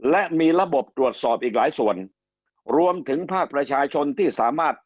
และมีระบบตรวจสอบอีกหลายส่วนรวมถึงภาคประชาชนที่สามารถ